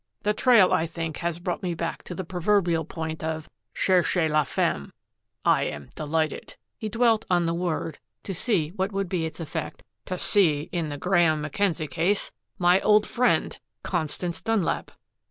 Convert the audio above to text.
The trail, I think, has brought me back to the proverbial point of 'CHERCHEZ LA FEMME.' I am delighted," he dwelt on the word to see what would be its effect, "to see in the Graeme Mackenzie case my old friend, Constance Dunlap."